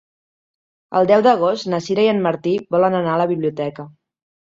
El deu d'agost na Sira i en Martí volen anar a la biblioteca.